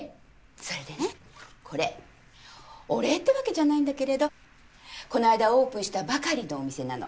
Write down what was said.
それでねこれお礼ってわけじゃないんだけれどこの間オープンしたばかりのお店なの。